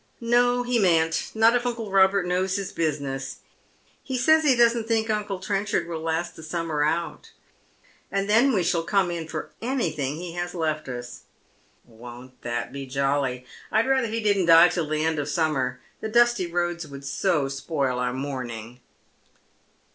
" No, he mayn't. Not if uncle Eobert knows his business. He says he doesn't think uncle Trenchard will last the summer out. And then we shall come in for anything he has left us. Won't that be jolly 1 I'd rather he didn't die till the end of the Bummer. The dusty roads would so spoil our mourning."